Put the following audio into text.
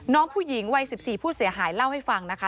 น้องผู้หญิงวัย๑๔ผู้เสียหายเล่าให้ฟังนะคะ